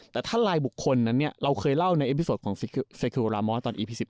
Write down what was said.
แต่ถ้าลายบุคคลนั้นเนี่ยเราเคยเล่าในเอพิโซของเซโคลลามอสตอนอีพี๑๑